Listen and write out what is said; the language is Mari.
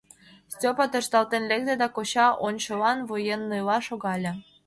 Стёпа тӧршталтен лекте да коча ончылан военныйла шогале.